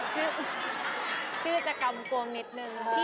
ชื่อชื่อจะกำกวมนิดนึงค่ะ